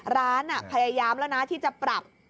ร้านพยายามแล้วนะที่จะปรับ